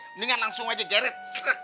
mendingan langsung aja jerit